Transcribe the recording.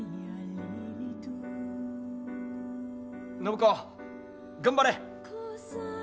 暢子頑張れ！